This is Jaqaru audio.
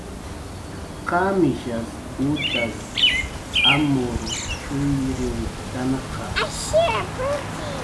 ¿Qamishas utas amurshuyriwktanqa?